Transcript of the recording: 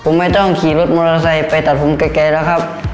ผมไม่ต้องขี่รถมอเตอร์ไซค์ไปตัดผมไกลแล้วครับ